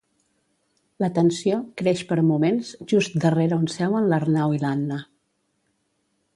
La tensió creix per moments just darrere on seuen l'Arnau i l'Anna.